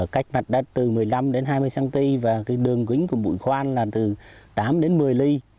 cách mặt đất từ một mươi năm hai mươi cm và đường kính của mũi khoan là từ tám một mươi ly